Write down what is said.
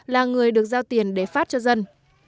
là người được giao tiền để phát cho dân